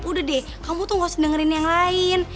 udah deh kamu tuh gak usah dengerin yang lain